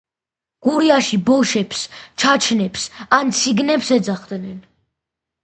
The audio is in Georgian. გურიაში ბოშებს ჩაჩნებს ან ციგნებს ეძახდნენ.